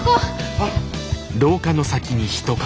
あっ。